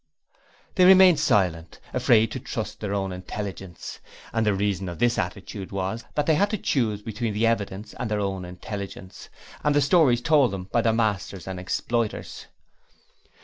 They remained silent; afraid to trust their own intelligence, and the reason of this attitude was that they had to choose between the evidence and their own intelligence, and the stories told them by their masters and exploiters.